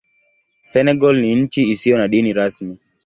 Senegal ni nchi isiyo na dini rasmi.